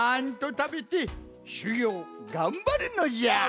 たべてしゅぎょうがんばるのじゃ！